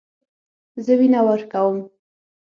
زه وینه ورکوم.